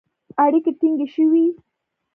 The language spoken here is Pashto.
اړیکې ټینګې شوې